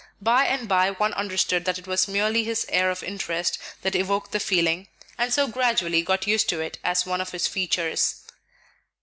By and by one understood that it was merely his air of interest that evoked the feeling, and so gradually got used to it as to one of his features.